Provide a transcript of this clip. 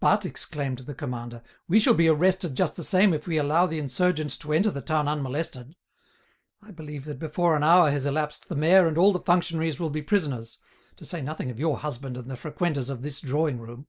"But," exclaimed the commander, "we shall be arrested just the same if we allow the insurgents to enter the town unmolested. I believe that before an hour has elapsed the mayor and all the functionaries will be prisoners, to say nothing of your husband and the frequenters of this drawing room."